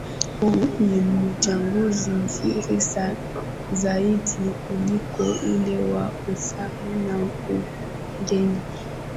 huu ni uchaguzi mzuri zaidi kuliko ule wa urais na ubunge